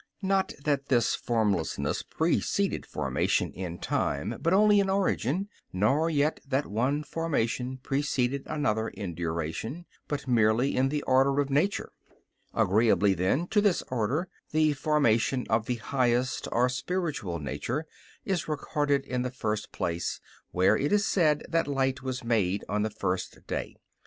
Not that this formlessness preceded formation, in time, but only in origin; nor yet that one formation preceded another in duration, but merely in the order of nature. Agreeably, then, to this order, the formation of the highest or spiritual nature is recorded in the first place, where it is said that light was made on the first day.